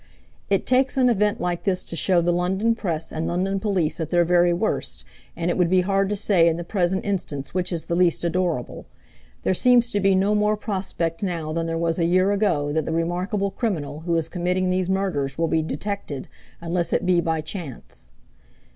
It takes an event like this to show the London press and London police at their very worst, and it would be hard to say in the present instance which is the least adorable. There seems to be no more prospect now than there was a year ago that the remarkable criminal who is committing these murders will be detected, unless it be by chance.